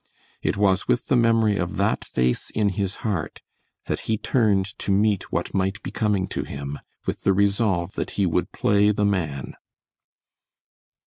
It was with the memory of that face in his heart that he turned to meet what might be coming to him, with the resolve that he would play the man.